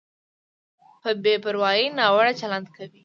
په بې پروایۍ ناوړه چلند کوي.